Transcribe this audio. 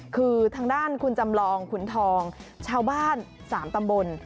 คือทางด้านคุณจำลองขุนทองชาวบ้าน๓ตำบล